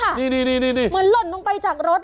นี่เหมือนหล่นลงไปจากรถ